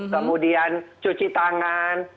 kemudian cuci tangan